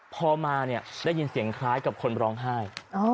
พอมาเนี่ยได้ยินเสียงคล้ายกับคนร้องไห้